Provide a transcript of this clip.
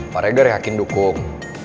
pak reger yakin dukung